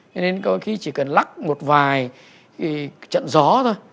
cho nên có khi chỉ cần lắc một vài trận gió thôi